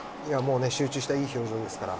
集中した、いい表情ですから。